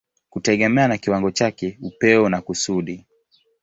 kutegemea na kiwango chake, upeo na kusudi.